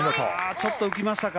ちょっと浮きましたか。